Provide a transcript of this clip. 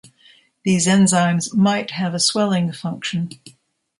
These enzymes might have a swelling function.